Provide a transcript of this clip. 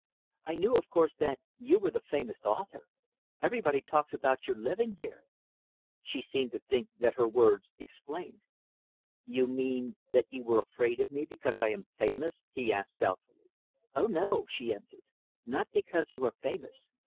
I knew, of course, that you were the famous author; everybody talks about your living here." She seemed to think that her words explained. "You mean that you were afraid of me because I am famous?" he asked doubtfully. "Oh no," she answered, "not because you are famous.